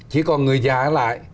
chỉ còn người già ở lại